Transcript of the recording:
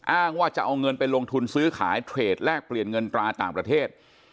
อ้างว่าจะเอาเงินไปลงทุนซื้อขายเทรดแลกเปลี่ยนเงินตราต่างประเทศ